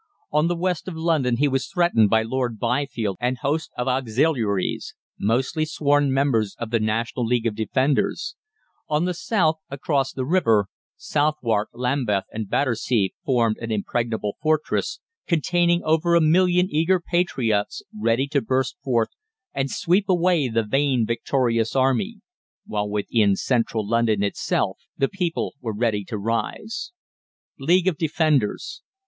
On the west of London he was threatened by Lord Byfield and hosts of auxiliaries, mostly sworn members of the National League of Defenders; on the south, across the river, Southwark, Lambeth, and Battersea formed an impregnable fortress, containing over a million eager patriots ready to burst forth and sweep away the vain, victorious army; while within central London itself the people were ready to rise. =LEAGUE OF DEFENDERS.